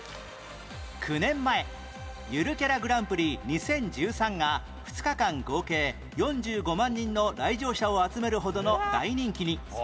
９年前ゆるキャラグランプリ２０１３が２日間合計４５万人の来場者を集めるほどの大人気に